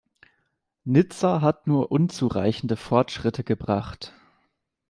Nizza hat nur unzureichende Fortschritte gebracht.